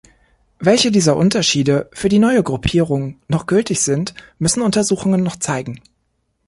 Welche dieser Unterschiede für die neue Gruppierung noch gültig sind, müssen Untersuchungen noch zeigen.